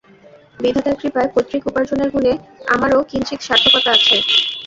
বিধাতার কৃপায় পৈতৃক উপার্জনের গুণে আমারও কিঞ্চিৎ সার্থকতা আছে।